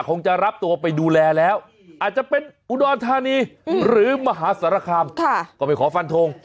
คงจะรับตัวไปดูแลแล้วอาจจะเป็นอุดรธานีหรือมหาสารคามก็ไม่ขอฟันทง